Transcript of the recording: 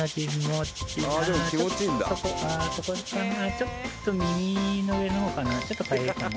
ちょっと耳の上のほうかなちょっとかゆいかな